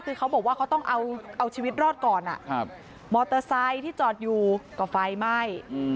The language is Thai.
คือเขาบอกว่าเขาต้องเอาชีวิตรอดก่อนมอเตอร์ไซค์ที่จอดอยู่ก็ไฟไหม้